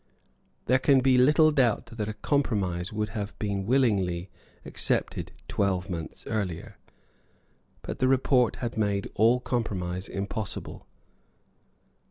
There can be little doubt that a compromise would have been willingly accepted twelve months earlier. But the report had made all compromise impossible.